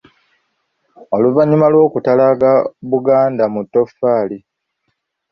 Oluvannyuma lw’okutalaaga Buganda mu Ttoffaali.